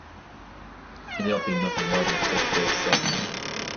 It ended up being nothing more than a sex-based sect.